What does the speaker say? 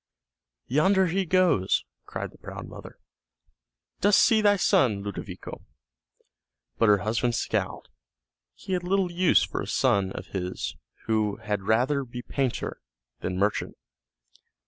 "Yonder he goes," cried the proud mother; "dost see thy son, Ludovico?" But her husband scowled; he had little use for a son of his who had rather be painter than merchant.